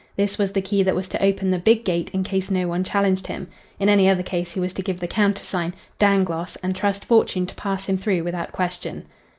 This was the key that was to open the big gate in case no one challenged him. In any other case he was to give the countersign, "Dangloss," and trust fortune to pass him through without question.